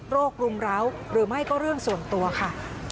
รุมร้าวหรือไม่ก็เรื่องส่วนตัวค่ะ